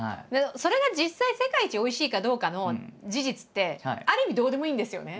それが実際世界一おいしいかどうかの事実ってある意味どうでもいいんですよね。